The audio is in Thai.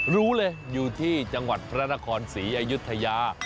รู้เลยอยู่ที่จังหวัดพระนครศรีอยุธยา